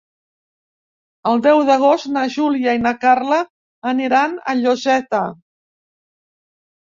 El deu d'agost na Júlia i na Carla aniran a Lloseta.